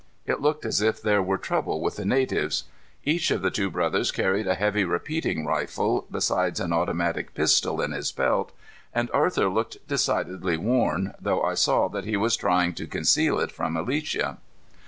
It looked as if there were trouble with the natives. Each of the two brothers carried a heavy repeating rifle besides an automatic pistol in his belt, and Arthur looked decidedly worn, though I saw that he was trying to conceal it from Alicia.